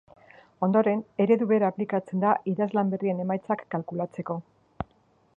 Ondoren, eredu bera aplikatzen da idazlan berrien emaitzak kalkulatzeko.